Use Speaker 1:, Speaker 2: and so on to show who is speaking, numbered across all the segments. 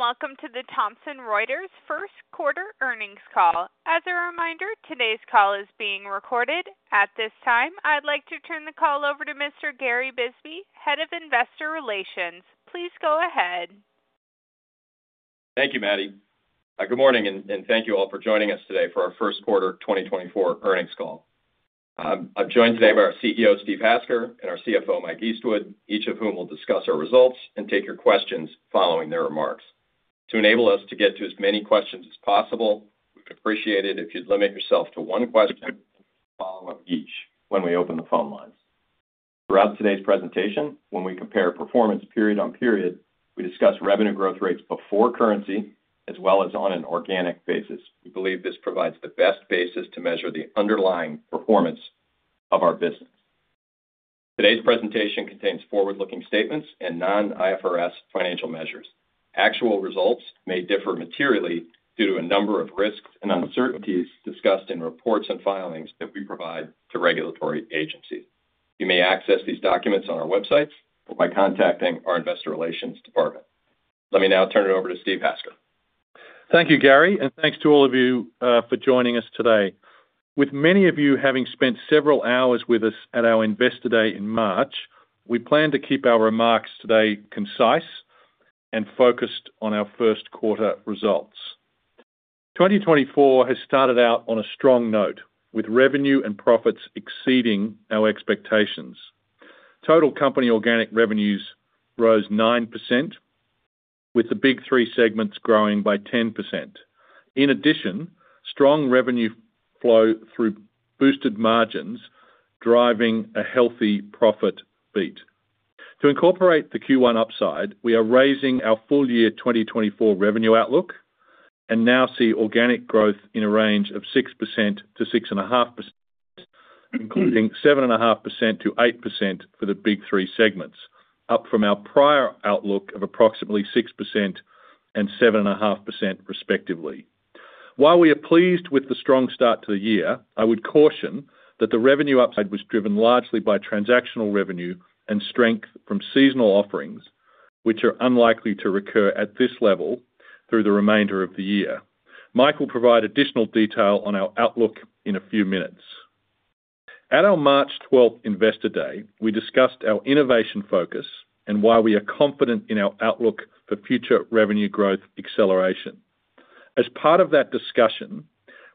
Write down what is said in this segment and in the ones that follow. Speaker 1: Good day, and welcome to the Thomson Reuters first quarter earnings call. As a reminder, today's call is being recorded. At this time, I'd like to turn the call over to Mr. Gary Bisbee, Head of Investor Relations. Please go ahead.
Speaker 2: Thank you, Maddie. Good morning, and, and thank you all for joining us today for our first quarter 2024 earnings call. I'm joined today by our CEO, Steve Hasker, and our CFO, Mike Eastwood, each of whom will discuss our results and take your questions following their remarks. To enable us to get to as many questions as possible, we'd appreciate it if you'd limit yourself to one question, follow-up each, when we open the phone lines. Throughout today's presentation, when we compare performance period on period, we discuss revenue growth rates before currency, as well as on an organic basis. We believe this provides the best basis to measure the underlying performance of our business. Today's presentation contains forward-looking statements and non-IFRS financial measures. Actual results may differ materially due to a number of risks and uncertainties discussed in reports and filings that we provide to regulatory agencies. You may access these documents on our websites or by contacting our investor relations department. Let me now turn it over to Steve Hasker.
Speaker 3: Thank you, Gary, and thanks to all of you for joining us today. With many of you having spent several hours with us at our Investor Day in March, we plan to keep our remarks today concise and focused on our first quarter results. 2024 has started out on a strong note, with revenue and profits exceeding our expectations. Total company organic revenues rose 9%, with the Big Three segments growing by 10%. In addition, strong revenue flow through boosted margins, driving a healthy profit beat. To incorporate the Q1 upside, we are raising our full year 2024 revenue outlook, and now see organic growth in a range of 6%-6.5%, including 7.5%-8% for the Big Three segments, up from our prior outlook of approximately 6% and 7.5% respectively. While we are pleased with the strong start to the year, I would caution that the revenue upside was driven largely by transactional revenue and strength from seasonal offerings, which are unlikely to recur at this level through the remainder of the year. Mike will provide additional detail on our outlook in a few minutes. At our March twelfth Investor Day, we discussed our innovation focus and why we are confident in our outlook for future revenue growth acceleration. As part of that discussion,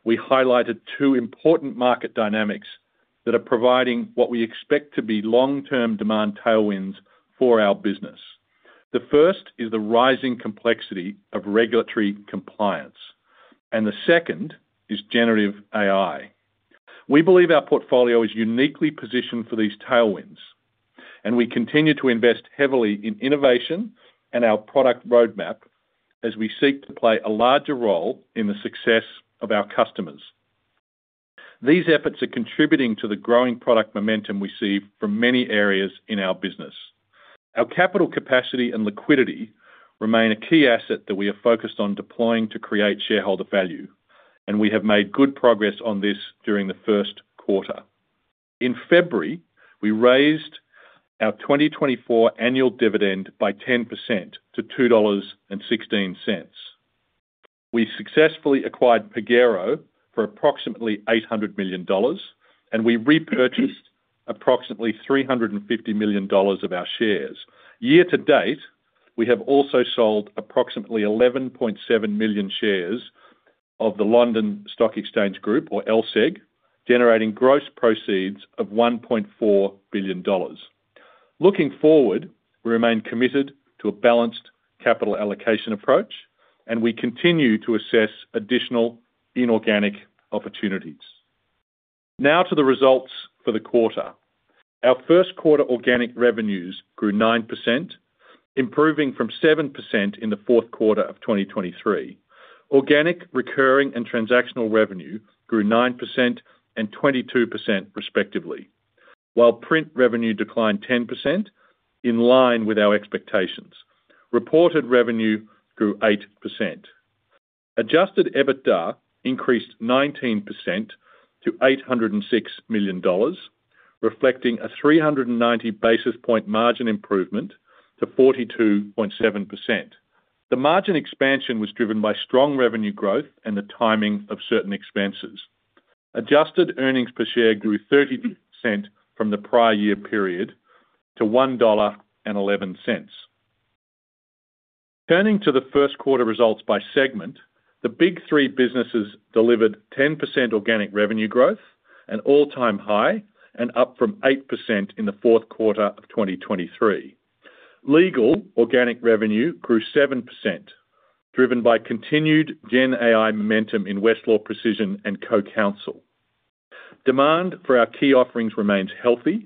Speaker 3: we highlighted two important market dynamics that are providing what we expect to be long-term demand tailwinds for our business. The first is the rising complexity of regulatory compliance, and the second is generative AI. We believe our portfolio is uniquely positioned for these tailwinds, and we continue to invest heavily in innovation and our product roadmap as we seek to play a larger role in the success of our customers. These efforts are contributing to the growing product momentum we see from many areas in our business. Our capital capacity and liquidity remain a key asset that we are focused on deploying to create shareholder value, and we have made good progress on this during the first quarter. In February, we raised our 2024 annual dividend by 10% to $2.16. We successfully acquired Pagero for approximately $800 million, and we repurchased approximately $350 million of our shares. Year to date, we have also sold approximately 11.7 million shares of the London Stock Exchange Group, or LSEG, generating gross proceeds of $1.4 billion. Looking forward, we remain committed to a balanced capital allocation approach, and we continue to assess additional inorganic opportunities. Now to the results for the quarter. Our first quarter organic revenues grew 9%, improving from 7% in the fourth quarter of 2023. Organic, recurring, and transactional revenue grew 9% and 22%, respectively, while print revenue declined 10%, in line with our expectations. Reported revenue grew 8%. Adjusted EBITDA increased 19% to $806 million, reflecting a 390 basis point margin improvement to 42.7%. The margin expansion was driven by strong revenue growth and the timing of certain expenses. Adjusted earnings per share grew 30% from the prior year period to $1.11. Turning to the first quarter results by segment, the Big Three businesses delivered 10% organic revenue growth, an all-time high, and up from 8% in the fourth quarter of 2023. Legal organic revenue grew 7%, driven by continued GenAI momentum in Westlaw Precision and CoCounsel. Demand for our key offerings remains healthy,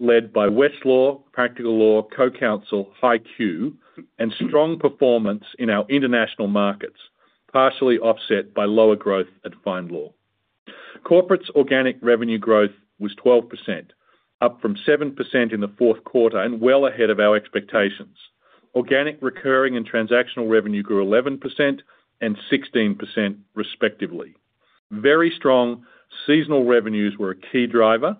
Speaker 3: led by Westlaw, Practical Law, CoCounsel, HighQ, and strong performance in our international markets, partially offset by lower growth at FindLaw. Corporates organic revenue growth was 12%, up from 7% in the fourth quarter and well ahead of our expectations. Organic, recurring, and transactional revenue grew 11% and 16%, respectively. Very strong seasonal revenues were a key driver,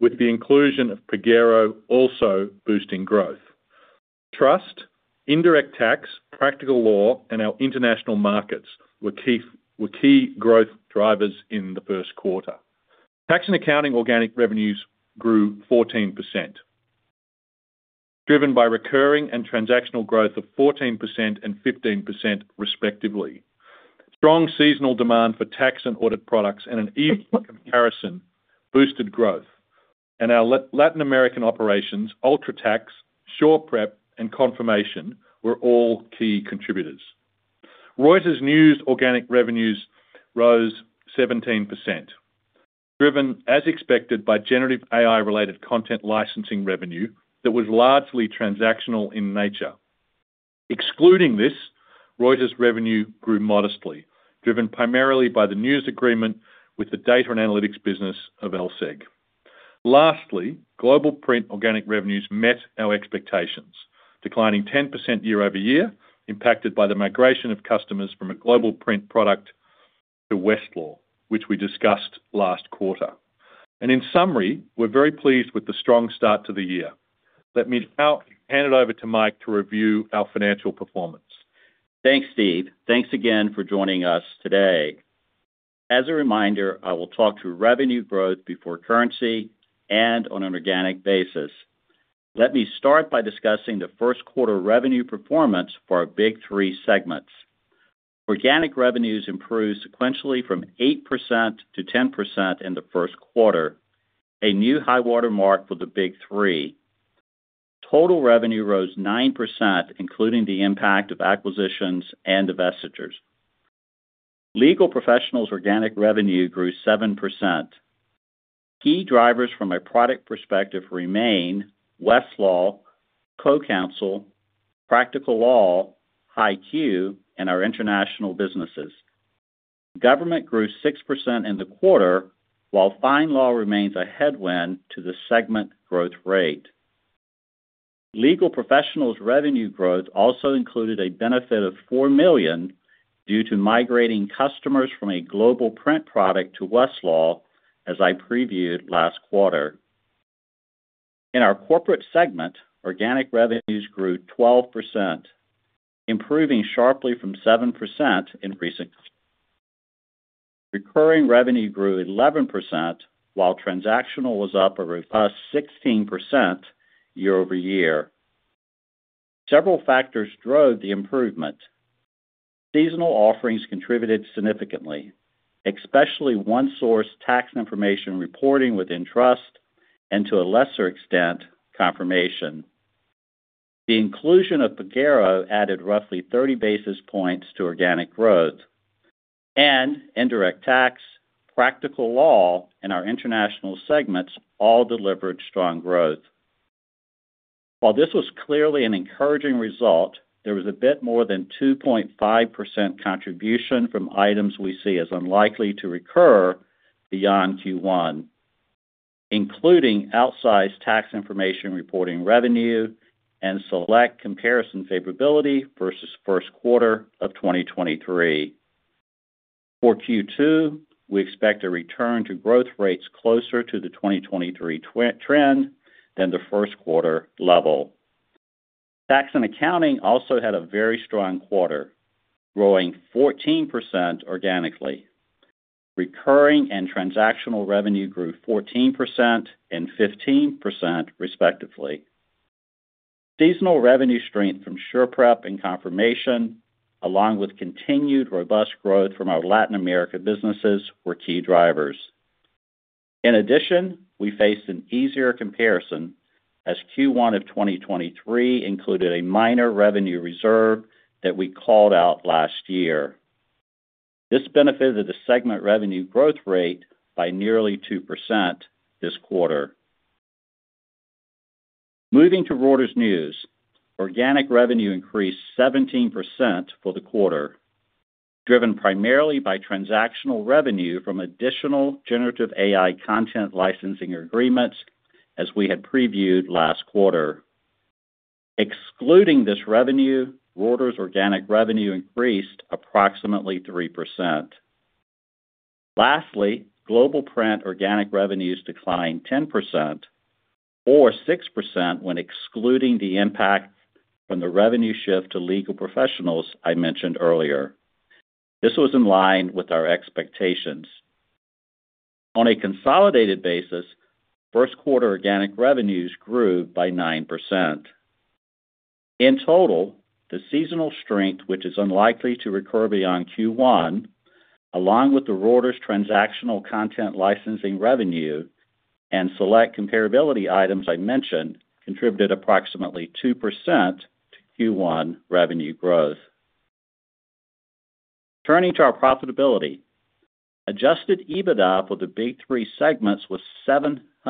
Speaker 3: with the inclusion of Pagero also boosting growth. Trust, Indirect Tax, Practical Law, and our international markets were key, were key growth drivers in the first quarter. Tax and accounting organic revenues grew 14%, driven by recurring and transactional growth of 14% and 15% respectively. Strong seasonal demand for tax and audit products and an easy comparison boosted growth. Our Latin American operations, UltraTax, SurePrep, and Confirmation were all key contributors. Reuters News organic revenues rose 17%, driven, as expected, by generative AI-related content licensing revenue that was largely transactional in nature. Excluding this, Reuters' revenue grew modestly, driven primarily by the news agreement with the data and analytics business of LSEG. Lastly, Global Print organic revenues met our expectations, declining 10% year-over-year, impacted by the migration of customers from a Global Print product to Westlaw, which we discussed last quarter. In summary, we're very pleased with the strong start to the year. Let me now hand it over to Mike to review our financial performance.
Speaker 4: Thanks, Steve. Thanks again for joining us today. As a reminder, I will talk to revenue growth before currency and on an organic basis. Let me start by discussing the first quarter revenue performance for our Big Three segments. Organic revenues improved sequentially from 8% to 10% in the first quarter, a new high water mark for the Big Three. Total revenue rose 9%, including the impact of acquisitions and divestitures. Legal Professionals organic revenue grew 7%. Key drivers from a product perspective remain Westlaw, CoCounsel, Practical Law, HighQ, and our international businesses. Government grew 6% in the quarter, while FindLaw remains a headwind to the segment growth rate. Legal Professionals revenue growth also included a benefit of $4 million due to migrating customers from a Global Print product to Westlaw, as I previewed last quarter. In our corporate segment, organic revenues grew 12%, improving sharply from 7% in recent quarters. Recurring revenue grew 11%, while transactional was up a robust 16% year-over-year. Several factors drove the improvement. Seasonal offerings contributed significantly, especially ONESOURCE Tax Information Reporting within Trust, and to a lesser extent, Confirmation. The inclusion of Pagero added roughly 30 basis points to organic growth, and Indirect Tax, Practical Law, and our international segments all delivered strong growth. While this was clearly an encouraging result, there was a bit more than 2.5% contribution from items we see as unlikely to recur beyond Q1, including outsized Tax Information Reporting revenue, and select comparison favorability versus first quarter of 2023. For Q2, we expect a return to growth rates closer to the 2023 trend than the first quarter level. Tax & Accounting also had a very strong quarter, growing 14% organically. Recurring and transactional revenue grew 14% and 15%, respectively. Seasonal revenue strength from SurePrep and Confirmation, along with continued robust growth from our Latin America businesses, were key drivers. In addition, we faced an easier comparison as Q1 of 2023 included a minor revenue reserve that we called out last year. This benefited the segment revenue growth rate by nearly 2% this quarter. Moving to Reuters News. Organic revenue increased 17% for the quarter, driven primarily by transactional revenue from additional generative AI content licensing agreements, as we had previewed last quarter. Excluding this revenue, Reuters organic revenue increased approximately 3%. Lastly, Global Print organic revenues declined 10%, or 6% when excluding the impact from the revenue shift to legal professionals I mentioned earlier. This was in line with our expectations. On a consolidated basis, first quarter organic revenues grew by 9%. In total, the seasonal strength, which is unlikely to recur beyond Q1, along with the Reuters transactional content licensing revenue and select comparability items I mentioned, contributed approximately 2% to Q1 revenue growth. Turning to our profitability. Adjusted EBITDA for the Big Three segments was $716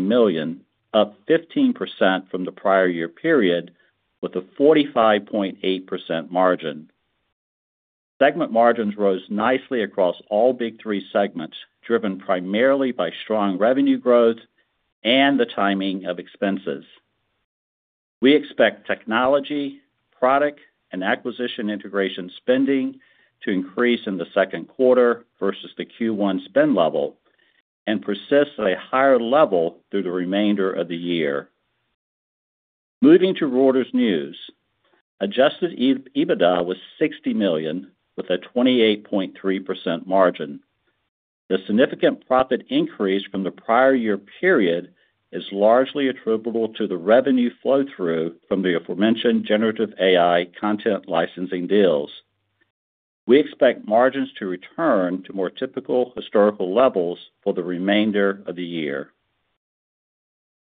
Speaker 4: million, up 15% from the prior year period, with a 45.8% margin. Segment margins rose nicely across all Big Three segments, driven primarily by strong revenue growth and the timing of expenses. We expect technology, product, and acquisition integration spending to increase in the second quarter versus the Q1 spend level and persist at a higher level through the remainder of the year. Moving to Reuters News. Adjusted EBITDA was $60 million, with a 28.3% margin. The significant profit increase from the prior year period is largely attributable to the revenue flow-through from the aforementioned generative AI content licensing deals. We expect margins to return to more typical historical levels for the remainder of the year.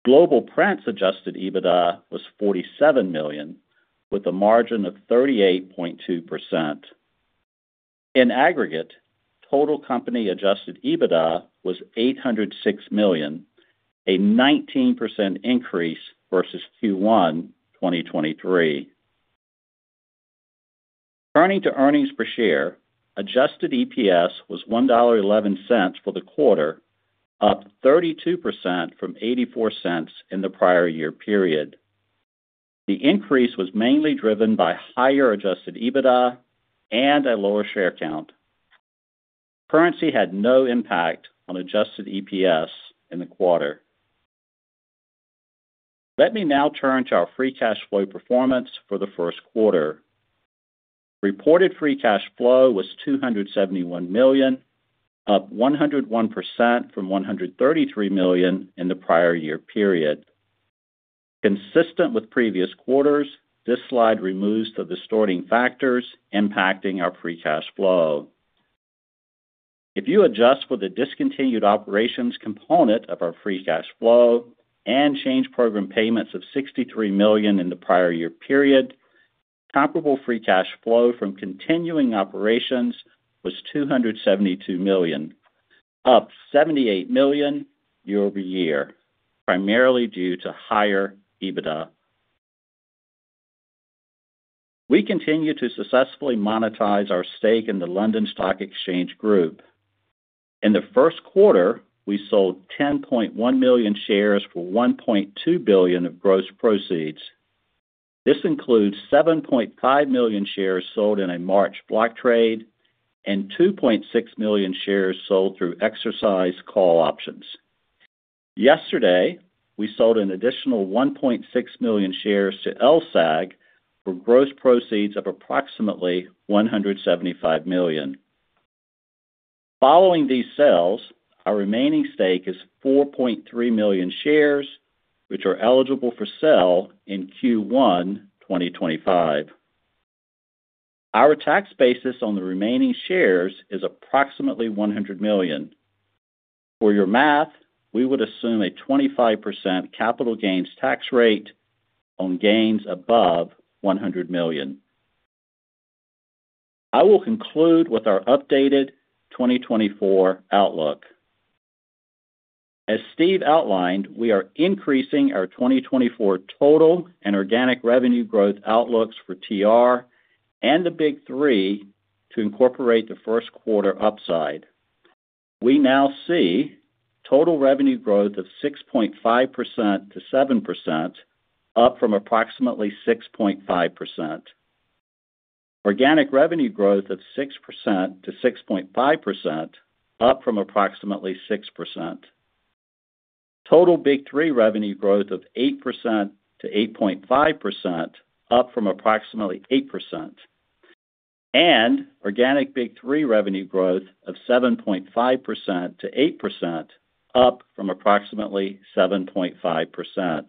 Speaker 4: Global Print's adjusted EBITDA was $47 million, with a margin of 38.2%. In aggregate, total company adjusted EBITDA was $806 million, a 19% increase versus Q1 2023. Turning to earnings per share, adjusted EPS was $1.11 for the quarter, up 32% from $0.84 in the prior year period. The increase was mainly driven by higher adjusted EBITDA and a lower share count. Currency had no impact on adjusted EPS in the quarter. Let me now turn to our free cash flow performance for the first quarter. Reported free cash flow was $271 million, up 101% from $133 million in the prior year period. Consistent with previous quarters, this slide removes the distorting factors impacting our free cash flow. If you adjust for the discontinued operations component of our free cash flow and change program payments of $63 million in the prior year period, comparable free cash flow from continuing operations was $272 million, up $78 million year-over-year, primarily due to higher EBITDA. We continue to successfully monetize our stake in the London Stock Exchange Group. In the first quarter, we sold 10.1 million shares for $1.2 billion of gross proceeds. This includes 7.5 million shares sold in a March block trade and 2.6 million shares sold through exercise call options. Yesterday, we sold an additional 1.6 million shares to LSEG for gross proceeds of approximately $175 million. Following these sales, our remaining stake is 4.3 million shares, which are eligible for sale in Q1 2025. Our tax basis on the remaining shares is approximately $100 million. For your math, we would assume a 25% capital gains tax rate on gains above $100 million. I will conclude with our updated 2024 outlook. As Steve outlined, we are increasing our 2024 total and organic revenue growth outlooks for TR and the Big Three to incorporate the first quarter upside. We now see total revenue growth of 6.5%-7%, up from approximately 6.5%. Organic revenue growth of 6%-6.5%, up from approximately 6%. Total Big Three revenue growth of 8%-8.5%, up from approximately 8%, and organic Big Three revenue growth of 7.5%-8%, up from approximately 7.5%.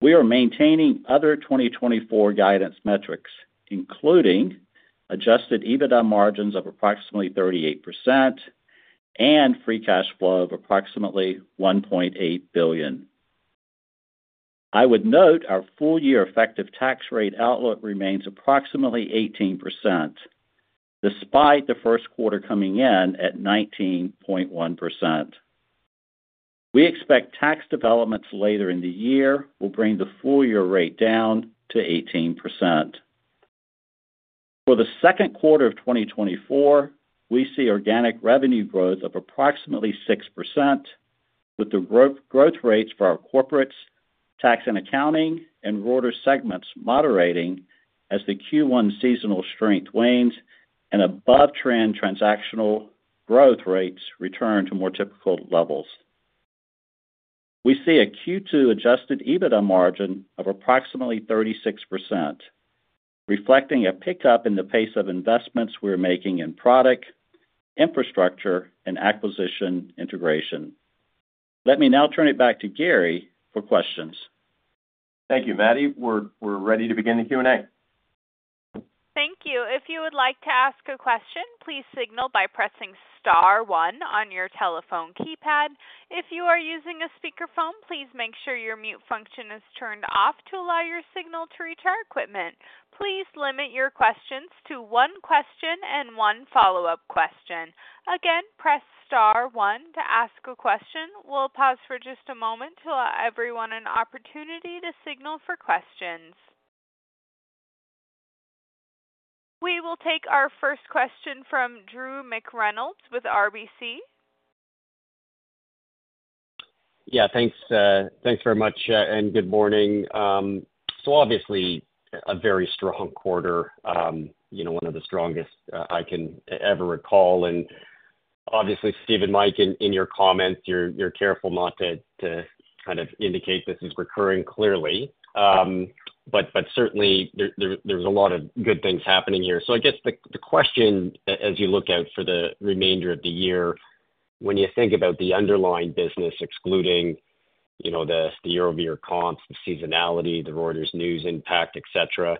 Speaker 4: We are maintaining other 2024 guidance metrics, including Adjusted EBITDA margins of approximately 38% and free cash flow of approximately $1.8 billion. I would note our full-year effective tax rate outlook remains approximately 18%, despite the first quarter coming in at 19.1%. We expect tax developments later in the year will bring the full year rate down to 18%. For the second quarter of 2024, we see organic revenue growth of approximately 6%, with the growth rates for our Corporates, Tax and Accounting, and Reuters segments moderating as the Q1 seasonal strength wanes and above-trend transactional growth rates return to more typical levels. We see a Q2 Adjusted EBITDA margin of approximately 36%, reflecting a pickup in the pace of investments we're making in product, infrastructure, and acquisition integration. Let me now turn it back to Gary for questions.
Speaker 2: Thank you, Maddie. We're ready to begin the Q&A.
Speaker 1: Thank you. If you would like to ask a question, please signal by pressing star one on your telephone keypad. If you are using a speakerphone, please make sure your mute function is turned off to allow your signal to reach our equipment. Please limit your questions to one question and one follow-up question. Again, press star one to ask a question. We'll pause for just a moment to allow everyone an opportunity to signal for questions. We will take our first question from Drew McReynolds with RBC.
Speaker 5: Yeah, thanks, thanks very much, and good morning. So obviously a very strong quarter, you know, one of the strongest I can ever recall. And obviously, Steve and Mike, in your comments, you're careful not to kind of indicate this is recurring clearly. But certainly there, there's a lot of good things happening here. So I guess the question as you look out for the remainder of the year, when you think about the underlying business, excluding, you know, the year-over-year comps, the seasonality, the Reuters News impact, et cetera,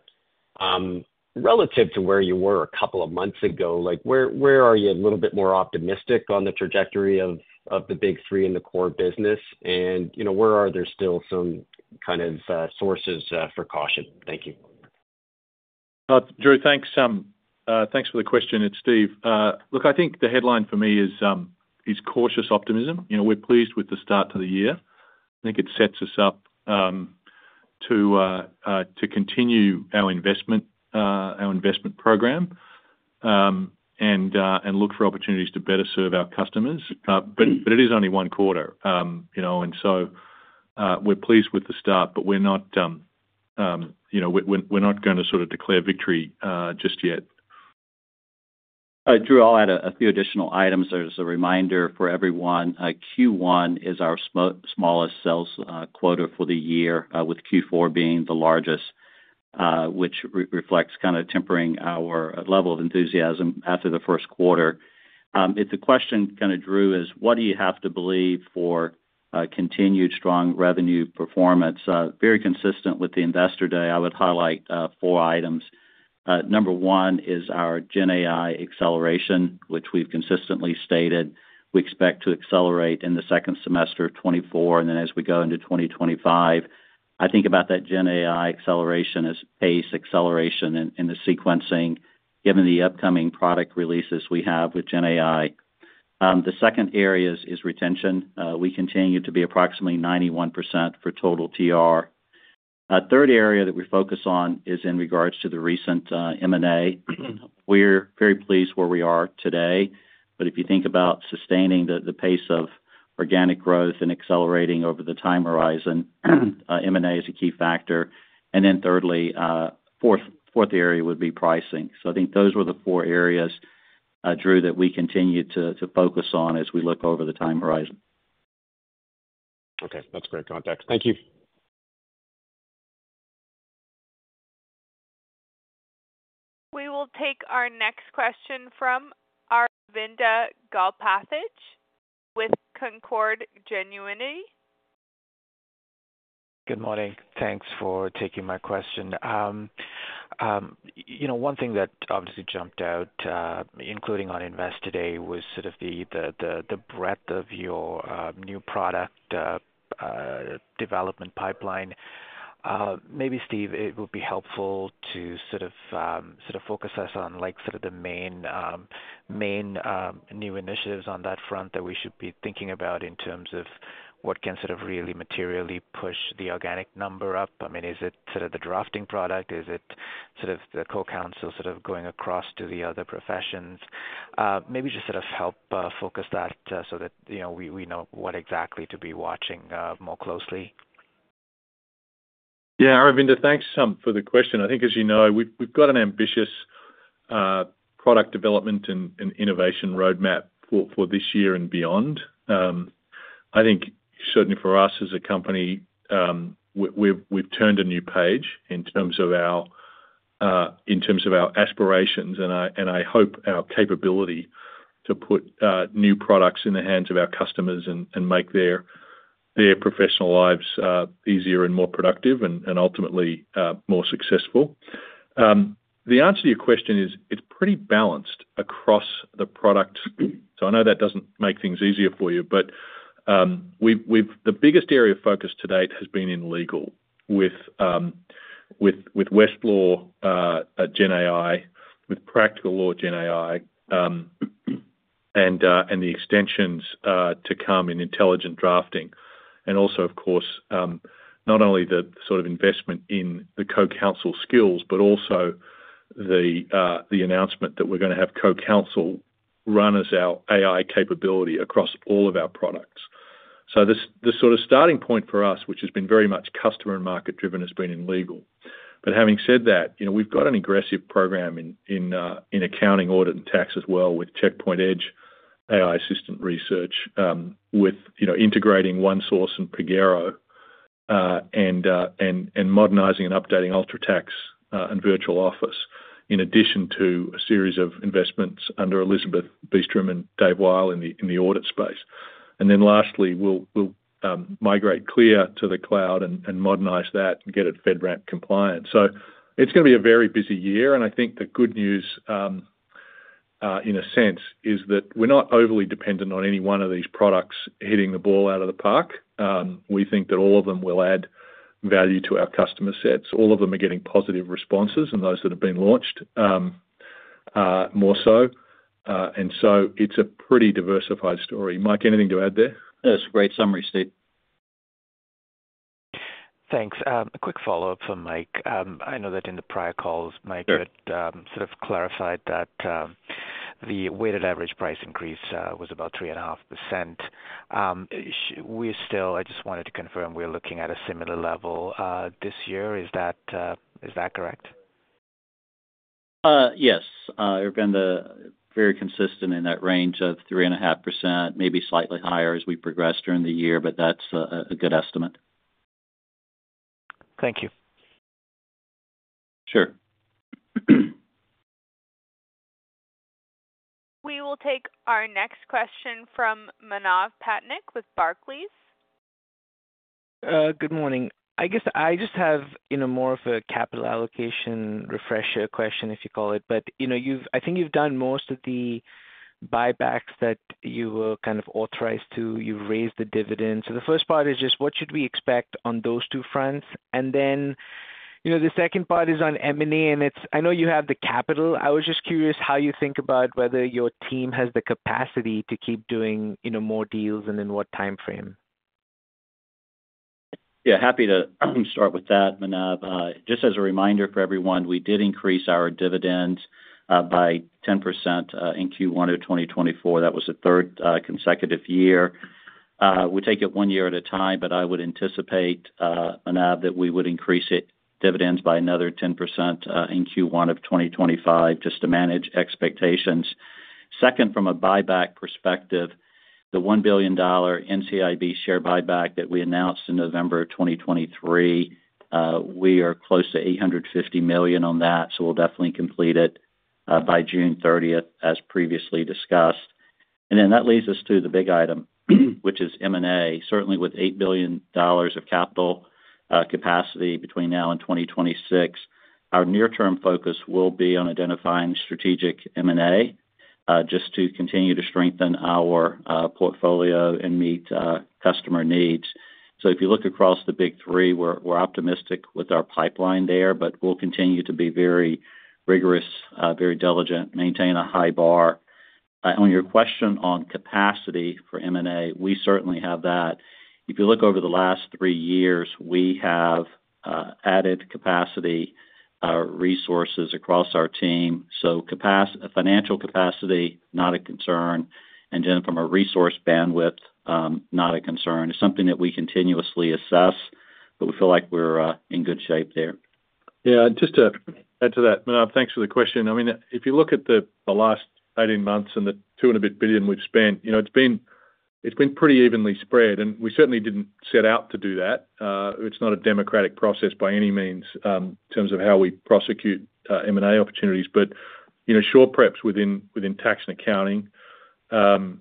Speaker 5: relative to where you were a couple of months ago, like, where are you a little bit more optimistic on the trajectory of the Big Three in the core business? You know, where are there still some kind of sources for caution? Thank you.
Speaker 3: Drew, thanks. Thanks for the question. It's Steve. Look, I think the headline for me is cautious optimism. You know, we're pleased with the start to the year. I think it sets us up to continue our investment program and look for opportunities to better serve our customers. But it is only one quarter. You know, we're pleased with the start, but we're not gonna sort of declare victory just yet.
Speaker 4: Drew, I'll add a few additional items as a reminder for everyone. Q1 is our smallest sales quarter for the year, with Q4 being the largest, which reflects kind of tempering our level of enthusiasm after the first quarter. If the question, Drew, is: What do you have to believe for continued strong revenue performance? Very consistent with the Investor Day, I would highlight four items. Number one is our GenAI acceleration, which we've consistently stated we expect to accelerate in the second semester of 2024, and then as we go into 2025. I think about that GenAI acceleration as pace acceleration in the sequencing, given the upcoming product releases we have with GenAI. The second area is retention. We continue to be approximately 91% for total TR. A third area that we focus on is in regards to the recent M&A. We're very pleased where we are today, but if you think about sustaining the pace of organic growth and accelerating over the time horizon, M&A is a key factor. And then thirdly, the fourth area would be pricing. So I think those were the four areas, Drew, that we continue to focus on as we look over the time horizon.
Speaker 5: Okay. That's great context. Thank you.
Speaker 1: We will take our next question from Aravinda Galappatthige with Canaccord Genuity.
Speaker 6: Good morning. Thanks for taking my question. You know, one thing that obviously jumped out, including on Investor Day, was sort of the breadth of your new product development pipeline. Maybe, Steve, it would be helpful to sort of focus us on, like, sort of the main new initiatives on that front that we should be thinking about in terms of what can sort of really materially push the organic number up. I mean, is it sort of the drafting product? Is it sort of the CoCounsel sort of going across to the other professions? Maybe just sort of help focus that, so that, you know, we know what exactly to be watching more closely.
Speaker 3: Yeah, Aravinda, thanks for the question. I think, as you know, we've got an ambitious product development and innovation roadmap for this year and beyond. I think certainly for us as a company, we've turned a new page in terms of our aspirations, and I hope our capability to put new products in the hands of our customers and make their professional lives easier and more productive and ultimately more successful. The answer to your question is, it's pretty balanced across the product. So I know that doesn't make things easier for you, but, we've the biggest area of focus to date has been in legal with Westlaw GenAI, with Practical Law GenAI, and the extensions to come in intelligent drafting, and also, of course, not only the sort of investment in the CoCounsel skills, but also the announcement that we're gonna have CoCounsel run as our AI capability across all of our products. So the sort of starting point for us, which has been very much customer and market driven, has been in legal. But having said that, you know, we've got an aggressive program in accounting, audit, and tax as well, with Checkpoint Edge, AI-Assisted Research, with, you know, integrating ONESOURCE and Pagero, and modernizing and updating UltraTax, and Virtual Office, in addition to a series of investments under Elizabeth Beastrom and Dave Wyle in the audit space. And then lastly, we'll migrate CLEAR to the cloud and modernize that and get it FedRAMP compliant. So it's gonna be a very busy year, and I think the good news, in a sense, is that we're not overly dependent on any one of these products hitting the ball out of the park. We think that all of them will add value to our customer sets. All of them are getting positive responses, and those that have been launched, more so. So it's a pretty diversified story. Mike, anything to add there?
Speaker 4: That's a great summary, Steve.
Speaker 6: Thanks. A quick follow-up from Mike. I know that in the prior calls, Mike, you had sort of clarified that the weighted average price increase was about 3.5%. We still, I just wanted to confirm, we're looking at a similar level this year. Is that correct?
Speaker 4: Yes, we've been very consistent in that range of 3.5%, maybe slightly higher as we progress during the year, but that's a good estimate.
Speaker 6: Thank you.
Speaker 4: Sure.
Speaker 1: We will take our next question from Manav Patnaik with Barclays.
Speaker 7: Good morning. I guess I just have, you know, more of a capital allocation refresher question, if you call it. But, you know, you've, I think you've done most of the buybacks that you were kind of authorized to. You've raised the dividend. So the first part is just, what should we expect on those two fronts? And then, you know, the second part is on M&A, and it's, I know you have the capital. I was just curious how you think about whether your team has the capacity to keep doing, you know, more deals, and in what timeframe?
Speaker 4: Yeah, happy to start with that, Manav. Just as a reminder for everyone, we did increase our dividend by 10%, in Q1 of 2024. That was the third consecutive year. We take it one year at a time, but I would anticipate, Manav, that we would increase it, dividends by another 10%, in Q1 of 2025, just to manage expectations. Second, from a buyback perspective, the $1 billion NCIB share buyback that we announced in November of 2023, we are close to $850 million on that, so we'll definitely complete it by June 30th, as previously discussed. And then that leads us to the big item, which is M&A. Certainly, with $8 billion of capital capacity between now and 2026, our near-term focus will be on identifying strategic M&A just to continue to strengthen our portfolio and meet customer needs. So if you look across the Big Three, we're optimistic with our pipeline there, but we'll continue to be very rigorous very diligent, maintain a high bar. On your question on capacity for M&A, we certainly have that. If you look over the last three years, we have added capacity resources across our team. So financial capacity, not a concern, and then from a resource bandwidth, not a concern. It's something that we continuously assess, but we feel like we're in good shape there.
Speaker 3: Yeah, just to add to that, Manav, thanks for the question. I mean, if you look at the last 18 months and the $2+ billion we've spent, you know, it's been pretty evenly spread, and we certainly didn't set out to do that. It's not a democratic process by any means, in terms of how we prosecute M&A opportunities, but, you know, sure, perhaps within tax and accounting, and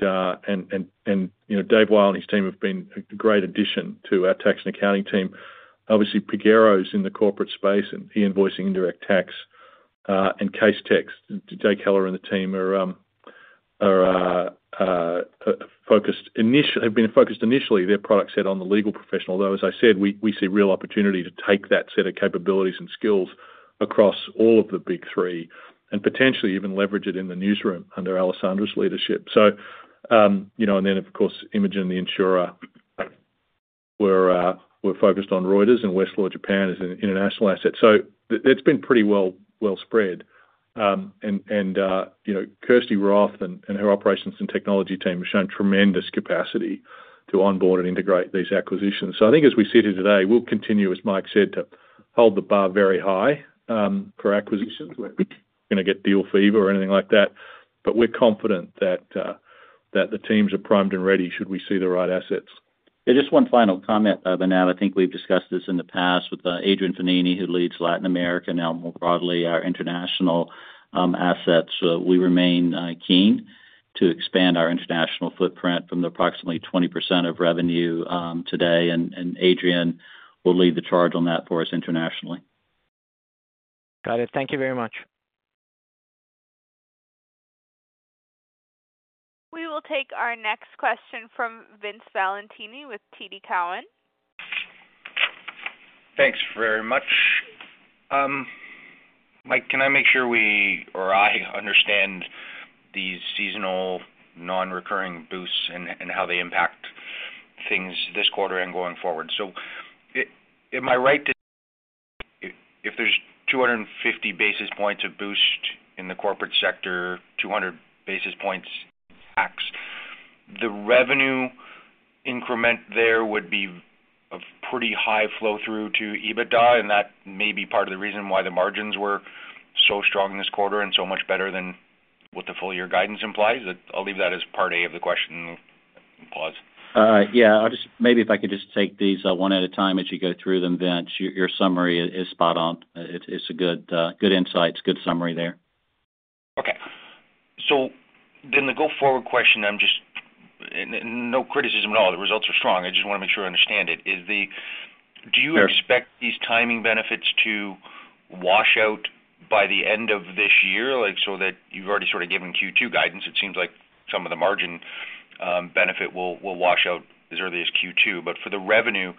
Speaker 3: you know, Dave Wyle and his team have been a great addition to our tax and accounting team. Obviously, Pagero's in the corporate space and e-invoicing, Indirect Tax, and Casetext, Jake Heller and the team are focused—have been focused initially, their product set on the legal professional, though, as I said, we see real opportunity to take that set of capabilities and skills across all of the Big Three, and potentially even leverage it in the newsroom under Alessandra's leadership. So, you know, and then, of course, Imagen, The Insurer, we're focused on Reuters, and Westlaw Japan is an international asset. So it's been pretty well spread. And, you know, Kirsty Roth and her operations and technology team have shown tremendous capacity to onboard and integrate these acquisitions. So I think as we sit here today, we'll continue, as Mike said, to hold the bar very high for acquisitions. We're gonna get deal fever or anything like that, but we're confident that, that the teams are primed and ready should we see the right assets.
Speaker 4: Yeah, just one final comment, Manav, I think we've discussed this in the past with, Adrian Fognini, who leads Latin America, now more broadly, our international, assets. We remain, keen to expand our international footprint from the approximately 20% of revenue, today, and, and Adrian will lead the charge on that for us internationally.
Speaker 7: Got it. Thank you very much.
Speaker 1: We will take our next question from Vince Valentini with TD Cowen.
Speaker 8: Thanks very much. Mike, can I make sure we or I understand these seasonal non-recurring boosts and how they impact things this quarter and going forward? So am I right to, if there's 250 basis points of boost in the corporate sector, 200 basis points tax, the revenue increment there would be a pretty high flow-through to EBITDA, and that may be part of the reason why the margins were so strong this quarter and so much better than what the full year guidance implies? That... I'll leave that as part A of the question and pause.
Speaker 4: Yeah. I'll maybe if I could just take these one at a time as you go through them, Vince. Your summary is spot on. It's a good insights, good summary there.
Speaker 8: Okay. So then the go-forward question, I'm just. No criticism at all, the results are strong. I just wanna make sure I understand it. Is the-
Speaker 4: Sure.
Speaker 8: Do you expect these timing benefits to wash out by the end of this year? Like, so that you've already sort of given Q2 guidance, it seems like some of the margin, benefit will wash out as early as Q2. But for the revenue,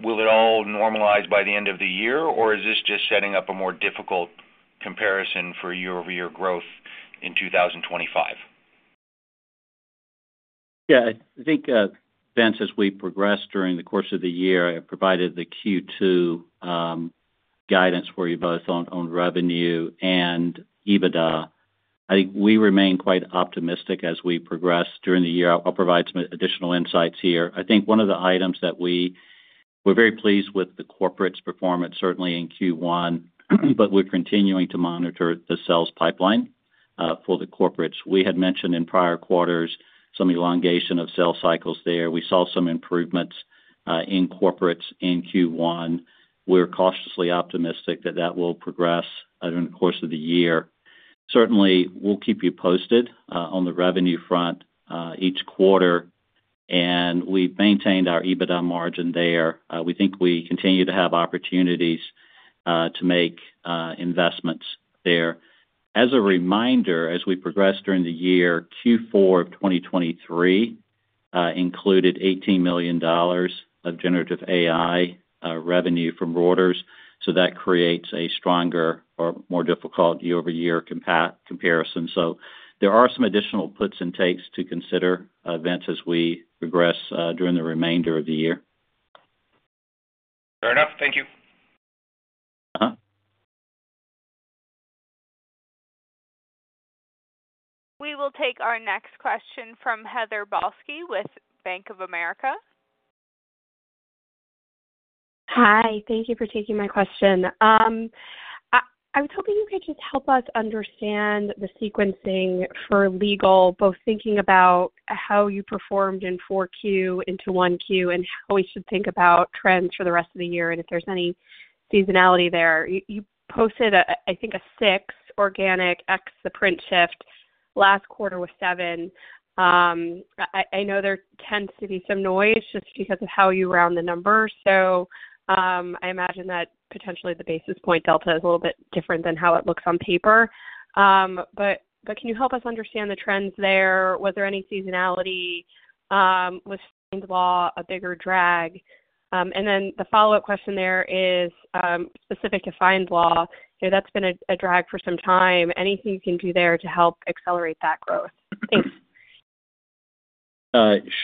Speaker 8: will it all normalize by the end of the year, or is this just setting up a more difficult comparison for year-over-year growth in 2025?
Speaker 4: Yeah, I think, Vince, as we progress during the course of the year, I provided the Q2 guidance for you both on revenue and EBITDA. I think we remain quite optimistic as we progress during the course of the year. I'll provide some additional insights here. I think one of the items that we're very pleased with the Corporates performance, certainly in Q1, but we're continuing to monitor the sales pipeline for the Corporates. We had mentioned in prior quarters, some elongation of sales cycles there. We saw some improvements in Corporates in Q1. We're cautiously optimistic that that will progress during the course of the year. Certainly, we'll keep you posted on the revenue front each quarter, and we've maintained our EBITDA margin there. We think we continue to have opportunities to make investments there. As a reminder, as we progress during the year, Q4 of 2023 included $18 million of generative AI revenue from Reuters, so that creates a stronger or more difficult year-over-year comparison. So there are some additional puts and takes to consider, events as we progress during the remainder of the year.
Speaker 8: Fair enough. Thank you.
Speaker 1: We will take our next question from Heather Balsky with Bank of America.
Speaker 9: Hi, thank you for taking my question. I was hoping you could just help us understand the sequencing for legal, both thinking about how you performed in 4Q into 1Q, and how we should think about trends for the rest of the year, and if there's any seasonality there. You posted a, I think, a 6 organic ex the print shift, last quarter was 7. I know there tends to be some noise just because of how you round the numbers, so I imagine that potentially the basis point delta is a little bit different than how it looks on paper. But can you help us understand the trends there? Was there any seasonality, was FindLaw a bigger drag? And then the follow-up question there is, specific to FindLaw. I know that's been a drag for some time. Anything you can do there to help accelerate that growth? Thanks.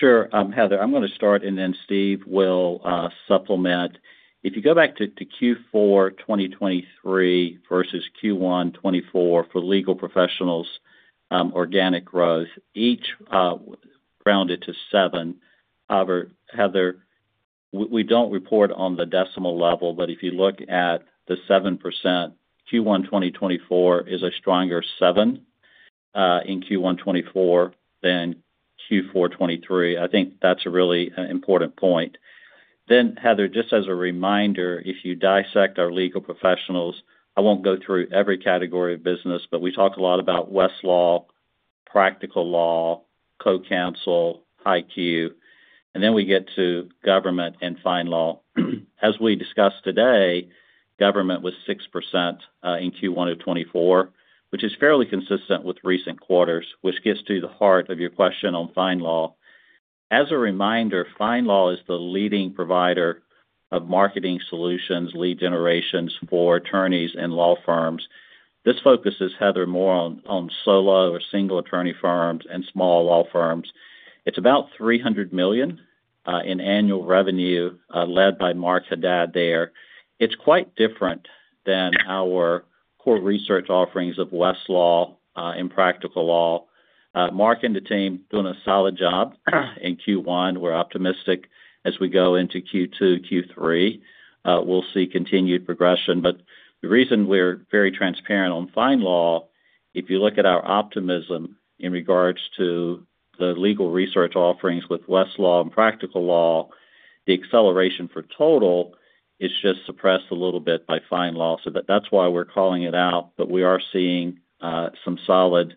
Speaker 4: Sure, Heather, I'm gonna start, and then Steve will supplement. If you go back to Q4 2023 versus Q1 2024 for legal professionals, organic growth, each rounded to 7. However, Heather, we don't report on the decimal level, but if you look at the 7%, Q1 2024 is a stronger 7 in Q1 2024 than Q4 2023. I think that's a really important point. Then, Heather, just as a reminder, if you dissect our legal professionals, I won't go through every category of business, but we talk a lot about Westlaw, Practical Law, CoCounsel, HighQ, and then we get to government and FindLaw. As we discussed today, government was 6% in Q1 of 2024, which is fairly consistent with recent quarters, which gets to the heart of your question on FindLaw. As a reminder, FindLaw is the leading provider of marketing solutions, lead generations for attorneys and law firms. This focus is, Heather, more on, on solo or single attorney firms and small law firms. It's about $300 million in annual revenue, led by Mark Haddad there. It's quite different than our core research offerings of Westlaw and Practical Law. Mark and the team doing a solid job in Q1. We're optimistic as we go into Q2, Q3. We'll see continued progression. But the reason we're very transparent on FindLaw, if you look at our optimism in regards to the legal research offerings with Westlaw and Practical Law, the acceleration for total is just suppressed a little bit by FindLaw. So that, that's why we're calling it out, but we are seeing some solid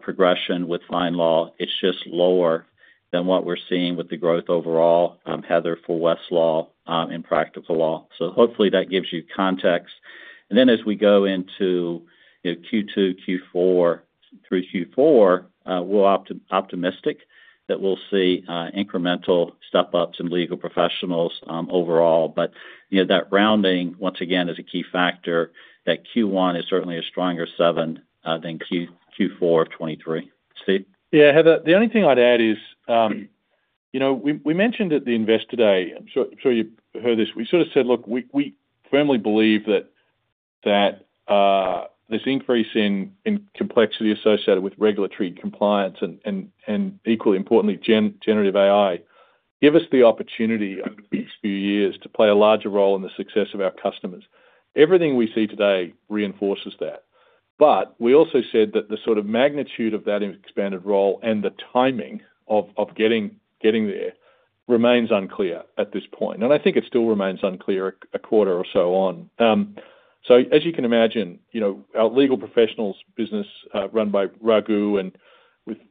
Speaker 4: progression with FindLaw. It's just lower than what we're seeing with the growth overall, Heather, for Westlaw and Practical Law. So hopefully, that gives you context. Then as we go into, you know, Q2 through Q4, we're optimistic that we'll see incremental step-ups in legal professionals overall. But, you know, that rounding, once again, is a key factor, that Q1 is certainly a stronger 7% than Q4 of 2023. Steve?
Speaker 3: Yeah, Heather, the only thing I'd add is, you know, we mentioned at the Investor Day, I'm sure you heard this. We sort of said, look, we firmly believe that this increase in complexity associated with regulatory compliance and equally importantly, generative AI, give us the opportunity over these few years to play a larger role in the success of our customers. Everything we see today reinforces that, but we also said that the sort of magnitude of that expanded role and the timing of getting there remains unclear at this point, and I think it still remains unclear a quarter or so on. So as you can imagine, you know, our legal professionals business, run by Raghu and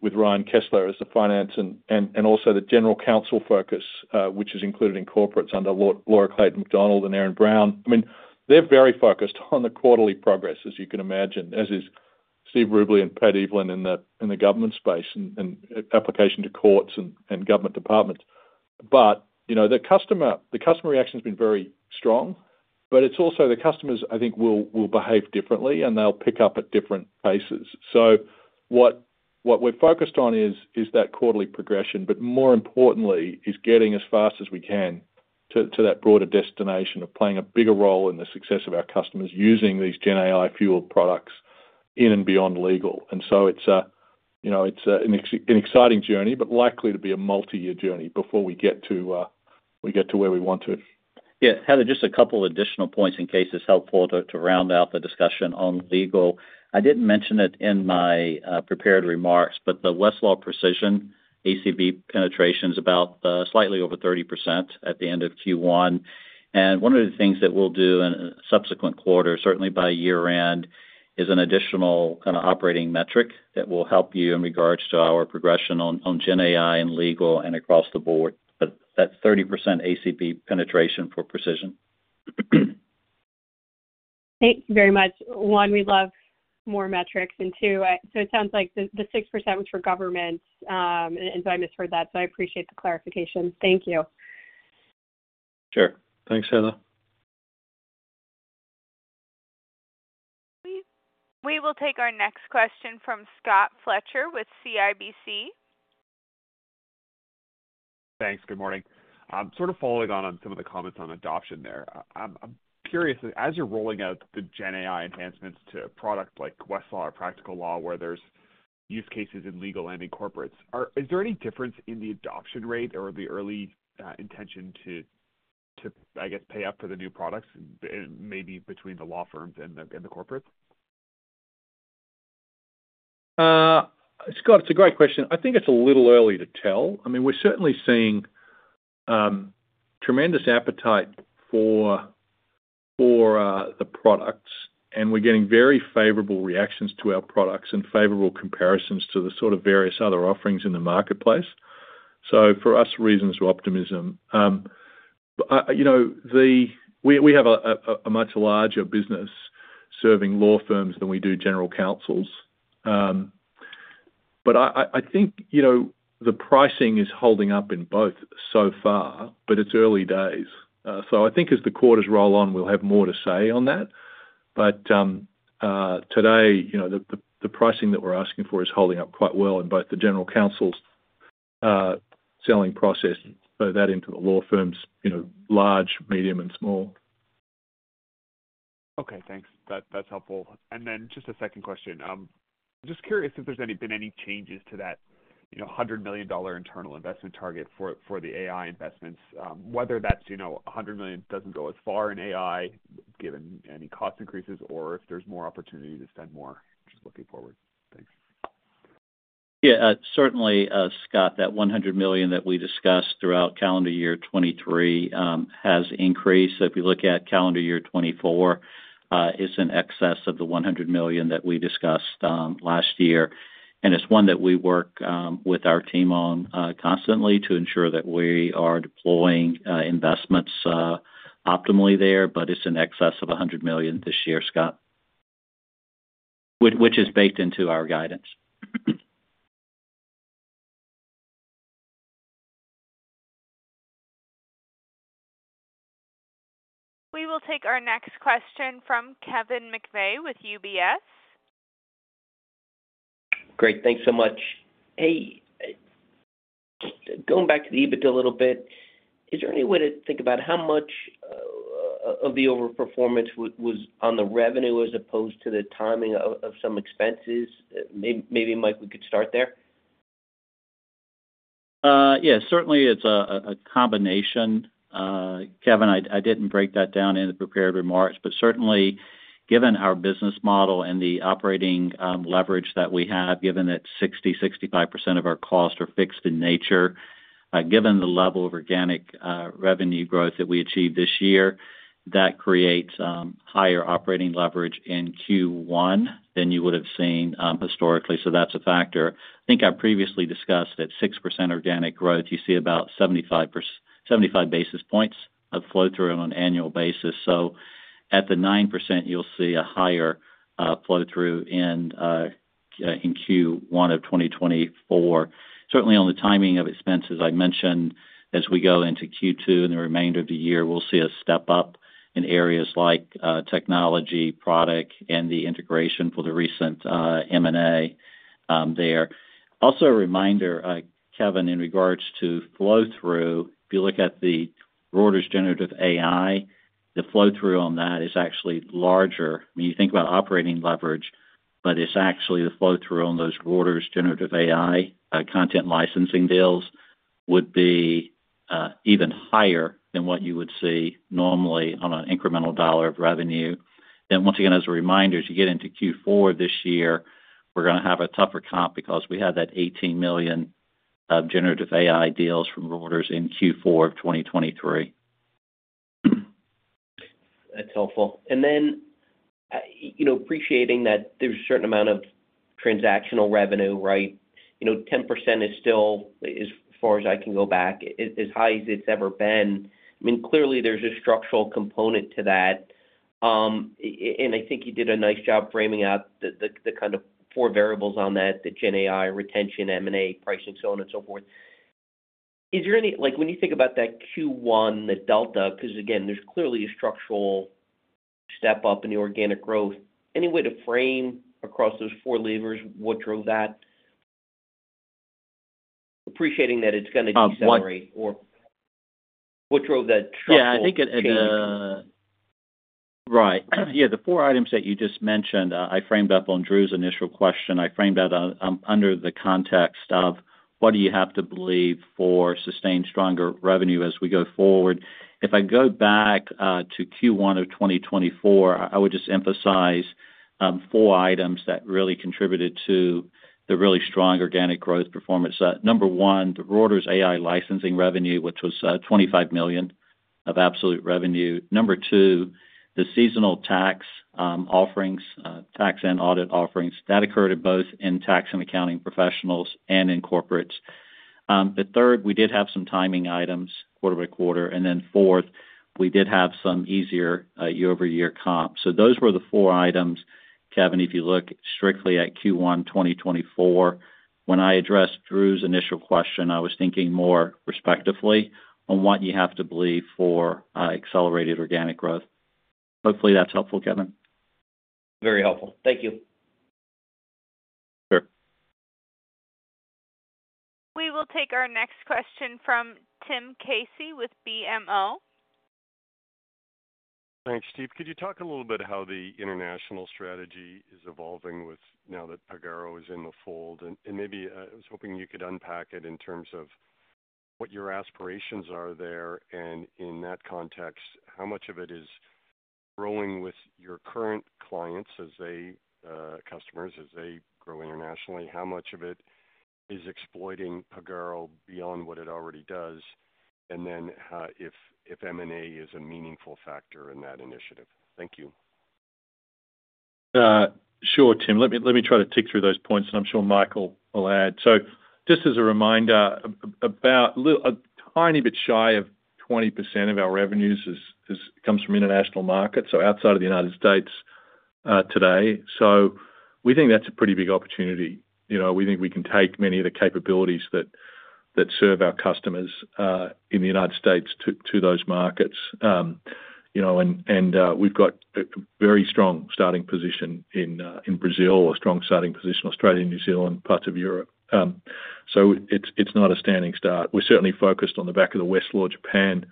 Speaker 3: with Ryan Kessler as the finance and also the general counsel focus, which is included in corporates under Laura Clayton McDonnell and Aaron Brown. I mean, they're very focused on the quarterly progress, as you can imagine, as is Steve Rubley and Pat Eveland in the government space and application to courts and government departments. But you know, the customer reaction's been very strong, but it's also the customers, I think, will behave differently, and they'll pick up at different paces. So what we're focused on is that quarterly progression, but more importantly, getting as fast as we can to that broader destination of playing a bigger role in the success of our customers using these GenAI-fueled products in and beyond legal. And so it's a, you know, it's an exciting journey, but likely to be a multi-year journey before we get to where we want to.
Speaker 4: Yeah, Heather, just a couple additional points in case it's helpful to round out the discussion on legal. I didn't mention it in my prepared remarks, but the Westlaw Precision ACV penetration is about slightly over 30% at the end of Q1. One of the things that we'll do in a subsequent quarter, certainly by year-end, is an additional kind of operating metric that will help you in regards to our progression on GenAI and legal and across the board. That's 30% ACV penetration for precision.
Speaker 9: Thank you very much. One, we love more metrics, and two, so it sounds like the 6% was for government, and so I misheard that, so I appreciate the clarification. Thank you.
Speaker 3: Sure. Thanks, Heather.
Speaker 1: We will take our next question from Scott Fletcher with CIBC.
Speaker 10: Thanks. Good morning. I'm sort of following on, on some of the comments on adoption there. I'm curious, as you're rolling out the GenAI enhancements to a product like Westlaw or Practical Law, where there's use cases in legal and in corporates, is there any difference in the adoption rate or the early intention to, to I guess, pay up for the new products, maybe between the law firms and the, and the corporates?
Speaker 3: Scott, it's a great question. I think it's a little early to tell. I mean, we're certainly seeing tremendous appetite for the products, and we're getting very favorable reactions to our products and favorable comparisons to the sort of various other offerings in the marketplace. So for us, reasons for optimism. You know, we have a much larger business serving law firms than we do general counsels. But I think, you know, the pricing is holding up in both so far, but it's early days. So I think as the quarters roll on, we'll have more to say on that. Today, you know, the pricing that we're asking for is holding up quite well in both the general counsels' selling process, so that into the law firms, you know, large, medium and small.
Speaker 10: Okay, thanks. That's helpful. And then just a second question. Just curious if there's been any changes to that, you know, $100 million internal investment target for the AI investments, whether that's, you know, $100 million doesn't go as far in AI, given any cost increases, or if there's more opportunity to spend more just looking forward. Thanks.
Speaker 4: Yeah, certainly, Scott, that $100 million that we discussed throughout calendar year 2023 has increased. If you look at calendar year 2024, it's in excess of the $100 million that we discussed last year. And it's one that we work with our team on constantly to ensure that we are deploying investments optimally there, but it's in excess of $100 million this year, Scott, which is baked into our guidance.
Speaker 1: We will take our next question from Kevin McVey with UBS.
Speaker 11: Great. Thanks so much. Hey, going back to the EBITDA a little bit, is there any way to think about how much of the overperformance was on the revenue as opposed to the timing of some expenses? Maybe, Mike, we could start there.
Speaker 4: Yeah, certainly it's a combination. Kevin, I didn't break that down in the prepared remarks, but certainly, given our business model and the operating leverage that we have, given that 65% of our costs are fixed in nature, given the level of organic revenue growth that we achieved this year, that creates higher operating leverage in Q1 than you would have seen historically. So that's a factor. I think I previously discussed at 6% organic growth, you see about 75 basis points of flow-through on an annual basis. So at the 9%, you'll see a higher flow-through in Q1 of 2024. Certainly on the timing of expenses, I mentioned as we go into Q2 and the remainder of the year, we'll see a step up in areas like technology, product, and the integration for the recent M&A there. Also a reminder, Kevin, in regards to flow-through, if you look at the Reuters generative AI, the flow-through on that is actually larger when you think about operating leverage, but it's actually the flow-through on those Reuters generative AI content licensing deals would be even higher than what you would see normally on an incremental dollar of revenue. Then once again, as a reminder, as you get into Q4 this year, we're gonna have a tougher comp because we had that $18 million of generative AI deals from Reuters in Q4 of 2023.
Speaker 11: That's helpful. And then, you know, appreciating that there's a certain amount of transactional revenue, right? You know, 10% is still, as far as I can go back, as high as it's ever been. I mean, clearly there's a structural component to that. And I think you did a nice job framing out the kind of four variables on that, the GenAI, retention, M&A, pricing, so on and so forth. Is there any. Like, when you think about that Q1, the delta, because again, there's clearly a structural step up in the organic growth, any way to frame across those four levers, what drove that? Appreciating that it's gonna decelerate or what drove that structural change?
Speaker 4: Yeah, I think it. Right. Yeah, the four items that you just mentioned, I framed up on Drew's initial question. I framed that, under the context of what do you have to believe for sustained stronger revenue as we go forward. If I go back, to Q1 of 2024, I would just emphasize, four items that really contributed to the really strong organic growth performance. Number one, the broader AI licensing revenue, which was, $25 million of absolute revenue. Number two, the seasonal tax, offerings, tax and audit offerings that occurred in both in tax and accounting professionals and in corporates. The third, we did have some timing items quarter by quarter, and then fourth, we did have some easier, year-over-year comp. So those were the four items, Kevin, if you look strictly at Q1 2024. When I addressed Drew's initial question, I was thinking more respectively on what you have to believe for accelerated organic growth. Hopefully, that's helpful, Kevin.
Speaker 11: Very helpful. Thank you.
Speaker 4: Sure.
Speaker 1: We will take our next question from Tim Casey with BMO.
Speaker 12: Thanks, Steve. Could you talk a little bit how the international strategy is evolving with now that Pagero is in the fold? And maybe I was hoping you could unpack it in terms of what your aspirations are there, and in that context, how much of it is growing with your current clients as they customers as they grow internationally? How much of it is exploiting Pagero beyond what it already does? And then, if M&A is a meaningful factor in that initiative. Thank you.
Speaker 3: Sure, Tim. Let me try to tick through those points, and I'm sure Mike will add. So just as a reminder, about a tiny bit shy of 20% of our revenues is comes from international markets, so outside of the United States, today. So we think that's a pretty big opportunity. You know, we think we can take many of the capabilities that serve our customers in the United States to those markets. You know, and we've got a very strong starting position in Brazil, a strong starting position in Australia, New Zealand, parts of Europe. So it's not a standing start. We're certainly focused on the back of the Westlaw Japan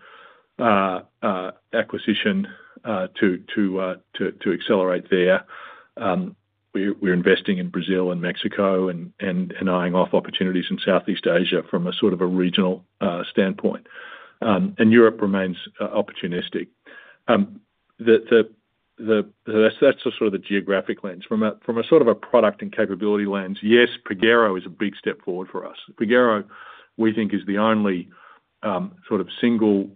Speaker 3: acquisition to accelerate there. We're investing in Brazil and Mexico and eyeing off opportunities in Southeast Asia from a sort of a regional standpoint. Europe remains opportunistic. That's just sort of the geographic lens. From a sort of a product and capability lens, yes, Pagero is a big step forward for us. Pagero, we think, is the only sort of single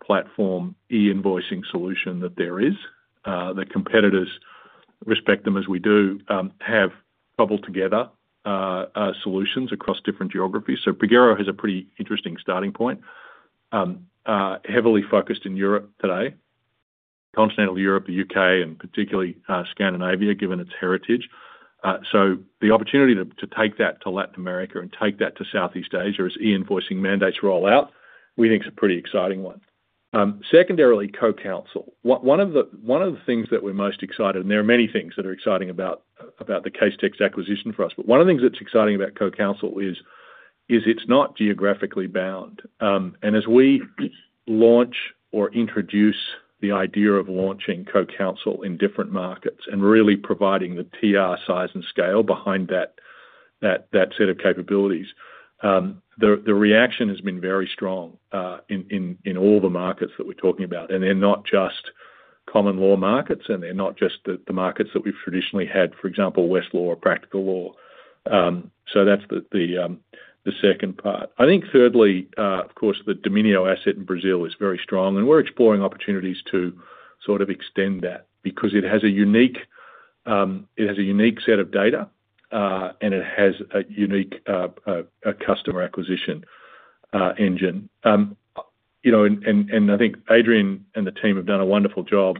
Speaker 3: platform e-invoicing solution that there is. The competitors respect them as we do, have cobbled together solutions across different geographies. So Pagero has a pretty interesting starting point. Heavily focused in Europe today, Continental Europe, the UK, and particularly Scandinavia, given its heritage. So the opportunity to take that to Latin America and take that to Southeast Asia as e-invoicing mandates roll out, we think is a pretty exciting one. Secondarily, CoCounsel. One of the things that we're most excited, and there are many things that are exciting about the Casetext acquisition for us, but one of the things that's exciting about CoCounsel is it's not geographically bound. And as we launch or introduce the idea of launching CoCounsel in different markets and really providing the TR size and scale behind that set of capabilities, the reaction has been very strong in all the markets that we're talking about. And they're not just common law markets, and they're not just the markets that we've traditionally had, for example, Westlaw or Practical Law. So that's the second part. I think thirdly, of course, the Domínio asset in Brazil is very strong, and we're exploring opportunities to sort of extend that because it has a unique, it has a unique set of data, and it has a unique customer acquisition engine. You know, and I think Adrian and the team have done a wonderful job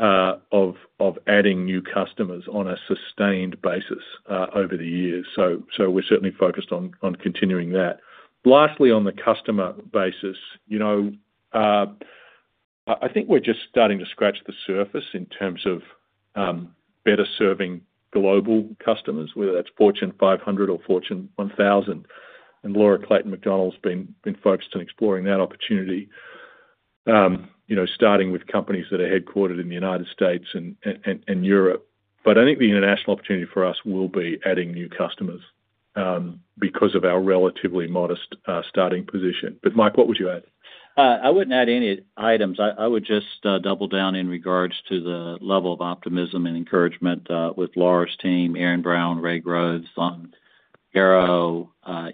Speaker 3: of adding new customers on a sustained basis over the years. So we're certainly focused on continuing that. Lastly, on the customer basis, you know, I think we're just starting to scratch the surface in terms of better serving global customers, whether that's Fortune 500 or Fortune 1,000. Laura A. Clayton McDonnell's been focused on exploring that opportunity, you know, starting with companies that are headquartered in the United States and Europe. But I think the international opportunity for us will be adding new customers, because of our relatively modest starting position. But Mike, what would you add?
Speaker 4: I wouldn't add any items. I would just double down in regards to the level of optimism and encouragement with Laura's team, Aaron Brown, Ray Groves, on Pagero,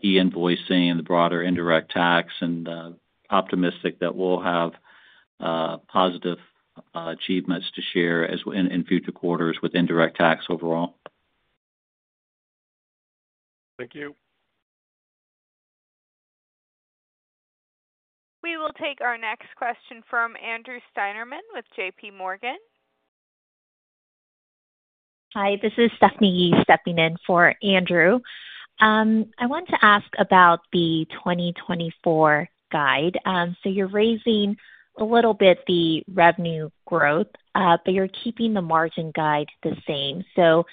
Speaker 4: e-invoicing, the broader Indirect Tax, and optimistic that we'll have positive achievements to share in future quarters with Indirect Tax overall.
Speaker 12: Thank you.
Speaker 1: We will take our next question from Andrew Steinerman with JP Morgan.
Speaker 13: Hi, this is Stephanie Yee, stepping in for Andrew. I want to ask about the 2024 guide. So you're raising a little bit the revenue growth, but you're keeping the margin guide the same. So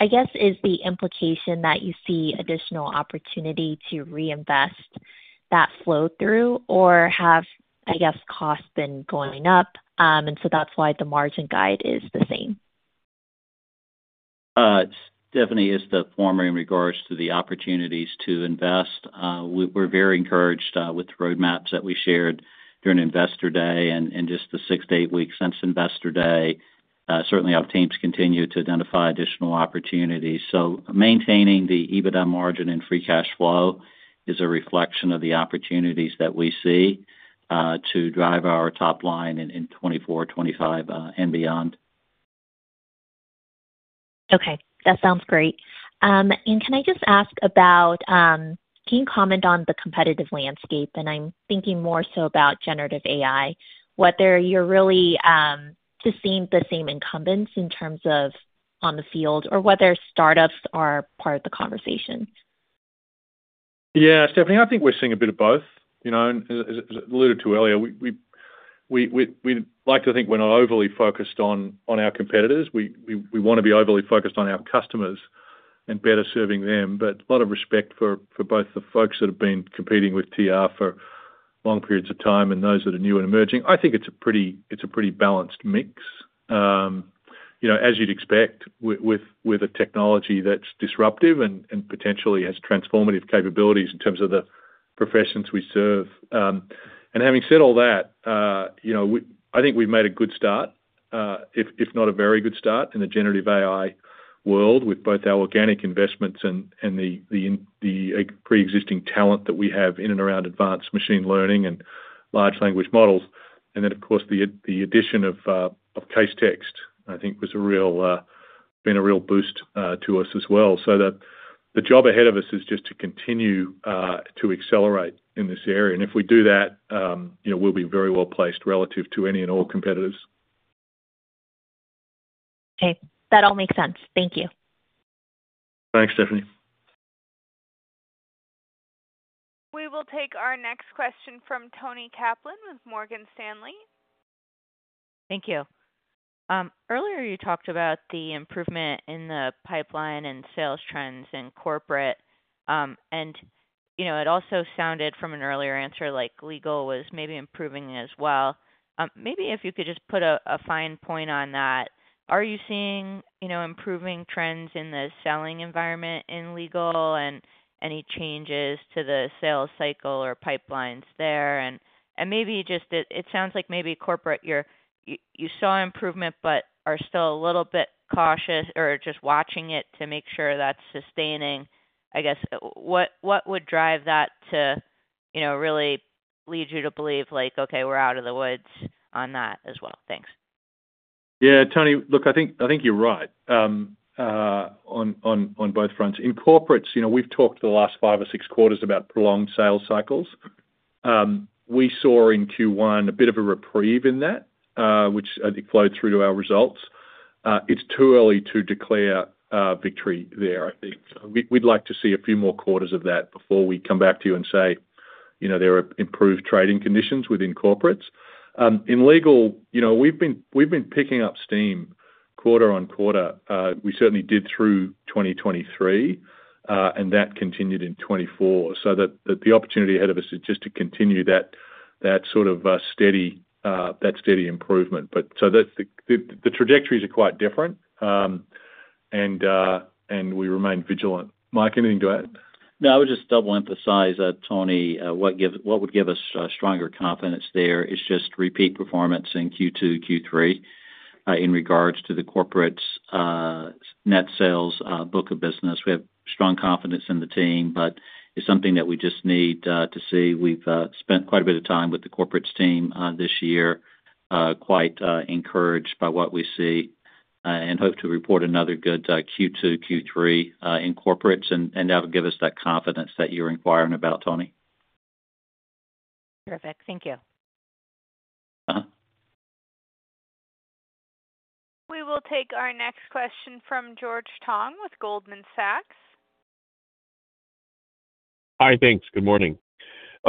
Speaker 13: I guess, is the implication that you see additional opportunity to reinvest that flow through, or have, I guess, costs been going up, and so that's why the margin guide is the same?
Speaker 4: Stephanie, it's the former in regards to the opportunities to invest. We're very encouraged with the roadmaps that we shared during Investor Day, and just the 6-8 weeks since Investor Day, certainly our teams continue to identify additional opportunities. So maintaining the EBITDA margin and free cash flow is a reflection of the opportunities that we see to drive our top line in 2024, 2025, and beyond.
Speaker 13: Okay, that sounds great. And can I just ask about... Can you comment on the competitive landscape? And I'm thinking more so about generative AI. Whether you're really just seeing the same incumbents in terms of on the field, or whether startups are part of the conversation?
Speaker 3: Yeah, Stephanie, I think we're seeing a bit of both. You know, as I alluded to earlier, we'd like to think we're not overly focused on our competitors. We wanna be overly focused on our customers and better serving them. But a lot of respect for both the folks that have been competing with TR for long periods of time and those that are new and emerging. I think it's a pretty balanced mix. You know, as you'd expect with a technology that's disruptive and potentially has transformative capabilities in terms of the professions we serve. And having said all that, you know, we, I think we've made a good start, if, if not a very good start in the generative AI world, with both our organic investments and the pre-existing talent that we have in and around advanced machine learning and large language models. And then, of course, the addition of Casetext, I think was a real, been a real boost to us as well. So the job ahead of us is just to continue to accelerate in this area. And if we do that, you know, we'll be very well placed relative to any and all competitors.
Speaker 13: Okay, that all makes sense. Thank you.
Speaker 3: Thanks, Stephanie.
Speaker 1: We will take our next question from Toni Kaplan with Morgan Stanley.
Speaker 14: Thank you. Earlier, you talked about the improvement in the pipeline and sales trends in corporate. And, you know, it also sounded from an earlier answer, like legal was maybe improving as well. Maybe if you could just put a fine point on that. Are you seeing, you know, improving trends in the selling environment in legal, and any changes to the sales cycle or pipelines there? And maybe just it sounds like maybe corporate, you're you saw improvement but are still a little bit cautious or just watching it to make sure that's sustaining. I guess, what would drive that to, you know, really lead you to believe, like, okay, we're out of the woods on that as well? Thanks.
Speaker 3: Yeah, Toni. Look, I think you're right on both fronts. In corporates, you know, we've talked the last five or six quarters about prolonged sales cycles. We saw in Q1 a bit of a reprieve in that, which I think flowed through to our results. It's too early to declare victory there, I think. So we'd like to see a few more quarters of that before we come back to you and say, you know, there are improved trading conditions within corporates. In legal, you know, we've been picking up steam quarter-over-quarter. We certainly did through 2023, and that continued in 2024. So the opportunity ahead of us is just to continue that sort of steady improvement. But so that's the... The trajectories are quite different, and we remain vigilant. Mike, anything to add?
Speaker 4: No, I would just double emphasize, Toni, what would give us stronger confidence there is just repeat performance in Q2, Q3, in regards to the Corporates' net sales book of business. We have strong confidence in the team, but it's something that we just need to see. We've spent quite a bit of time with the Corporates team this year, quite encouraged by what we see, and hope to report another good Q2, Q3 in Corporates, and that'll give us that confidence that you're inquiring about, Toni.
Speaker 14: Perfect. Thank you.
Speaker 1: We will take our next question from George Tong with Goldman Sachs.
Speaker 15: Hi, thanks. Good morning.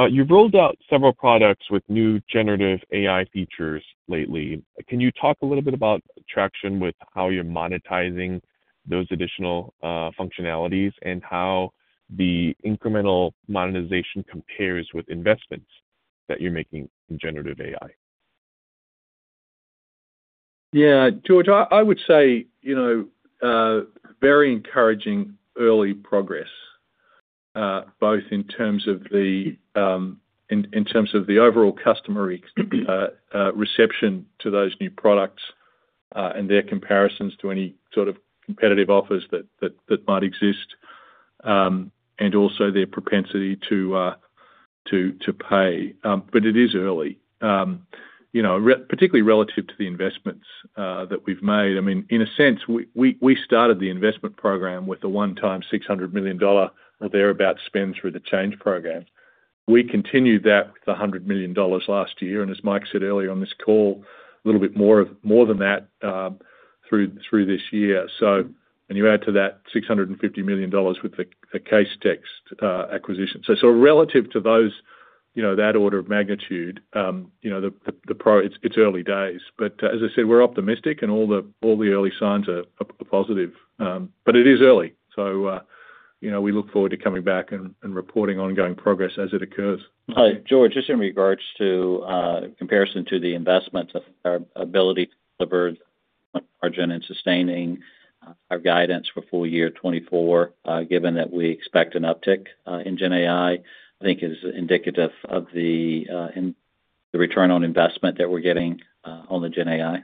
Speaker 15: You've rolled out several products with new generative AI features lately. Can you talk a little bit about traction with how you're monetizing those additional functionalities and how the incremental monetization compares with investments that you're making in generative AI?
Speaker 3: Yeah, George, I would say, you know, very encouraging early progress, both in terms of the overall customer reception to those new products, and their comparisons to any sort of competitive offers that might exist, and also their propensity to pay. But it is early. You know, particularly relative to the investments that we've made. I mean, in a sense, we started the investment program with a one-time $600 million or thereabout spend through the change program. We continued that with $100 million last year, and as Mike said earlier on this call, a little bit more than that through this year. When you add to that $650 million with the Casetext acquisition. So relative to those, you know, that order of magnitude, you know, it's early days, but as I said, we're optimistic and all the early signs are positive, but it is early. So you know, we look forward to coming back and reporting ongoing progress as it occurs.
Speaker 4: Hi, George, just in regards to comparison to the investment of our ability to deliver margin and sustaining our guidance for full year 2024, given that we expect an uptick in GenAI, I think is indicative of the return on investment that we're getting on the GenAI.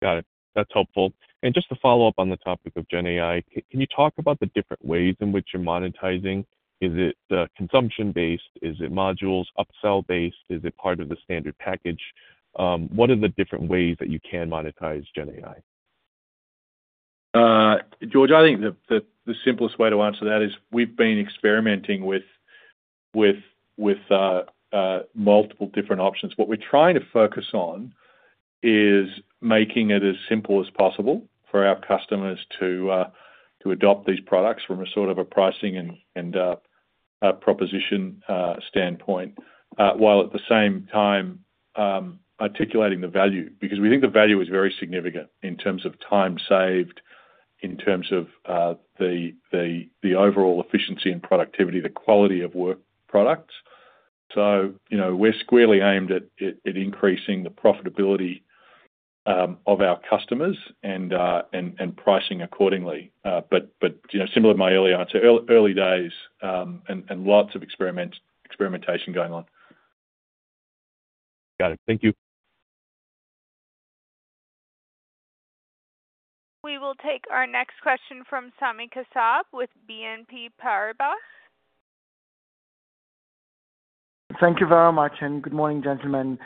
Speaker 15: Got it. That's helpful. And just to follow up on the topic of GenAI, can you talk about the different ways in which you're monetizing? Is it, consumption-based? Is it modules, upsell-based? Is it part of the standard package? What are the different ways that you can monetize GenAI?
Speaker 3: George, I think the simplest way to answer that is we've been experimenting with multiple different options. What we're trying to focus on is making it as simple as possible for our customers to adopt these products from a sort of pricing and a proposition standpoint, while at the same time articulating the value, because we think the value is very significant in terms of time saved, in terms of the overall efficiency and productivity, the quality of work products. So, you know, we're squarely aimed at increasing the profitability of our customers and pricing accordingly. But, you know, similar to my earlier answer, early days, and lots of experimentation going on.
Speaker 15: Got it. Thank you.
Speaker 1: We will take our next question from Sami Kassab, with BNP Paribas.
Speaker 16: Thank you very much, and good morning, gentlemen.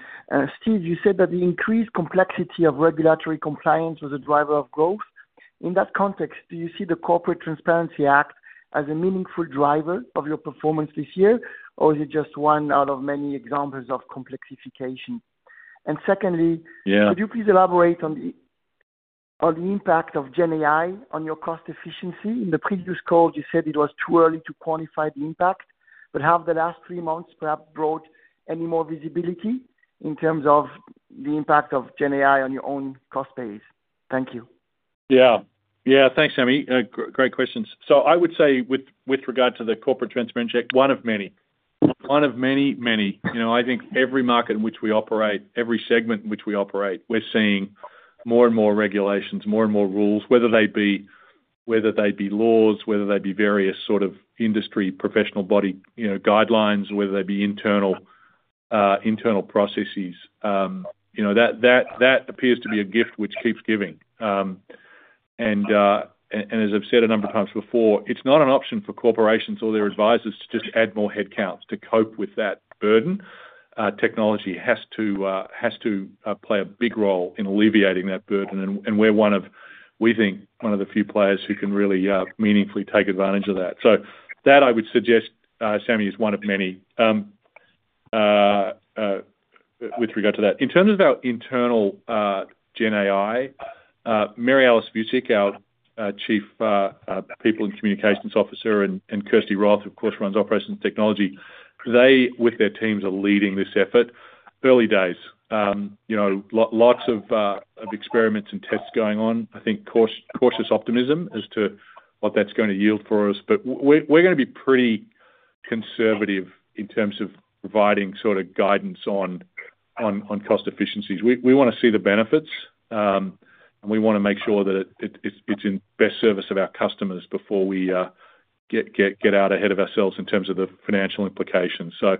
Speaker 16: Steve, you said that the increased complexity of regulatory compliance was a driver of growth. In that context, do you see the Corporate Transparency Act as a meaningful driver of your performance this year, or is it just one out of many examples of complexification? And secondly.
Speaker 3: Yeah.
Speaker 16: Could you please elaborate on the impact of GenAI on your cost efficiency? In the previous call, you said it was too early to quantify the impact, but have the last three months perhaps brought any more visibility in terms of the impact of GenAI on your own cost base? Thank you.
Speaker 3: Yeah. Yeah, thanks, Sammy. Great questions. So I would say with regard to the Corporate Transparency Act, one of many. One of many, many. You know, I think every market in which we operate, every segment in which we operate, we're seeing more and more regulations, more and more rules, whether they be laws, whether they be various sort of industry, professional body, you know, guidelines, whether they be internal internal processes. You know, that appears to be a gift which keeps giving. And as I've said a number of times before, it's not an option for corporations or their advisors to just add more headcounts to cope with that burden. Technology has to play a big role in alleviating that burden, and we're one of, we think, one of the few players who can really meaningfully take advantage of that. So that, I would suggest, Sammy, is one of many with regard to that. In terms of our internal GenAI, Mary Alice Vuicic, our Chief People and Communications Officer, and Kirsty Roth, of course, runs Operations Technology. They, with their teams, are leading this effort. Early days, you know, lots of experiments and tests going on. I think cautious optimism as to what that's gonna yield for us, but we're gonna be pretty conservative in terms of providing sort of guidance on cost efficiencies. We wanna see the benefits, and we wanna make sure that it's in best service of our customers before we get out ahead of ourselves in terms of the financial implications. So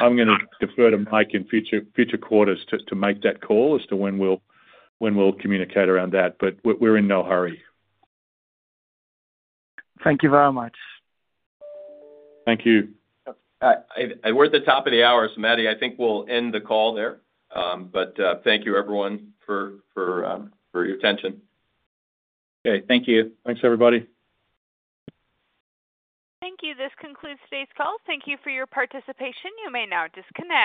Speaker 3: I'm gonna defer to Mike in future quarters to make that call as to when we'll communicate around that, but we're in no hurry.
Speaker 16: Thank you very much.
Speaker 3: Thank you.
Speaker 4: We're at the top of the hour, so Maddie, I think we'll end the call there. But thank you everyone for your attention.
Speaker 3: Okay. Thank you. Thanks, everybody.
Speaker 1: Thank you. This concludes today's call. Thank you for your participation. You may now disconnect.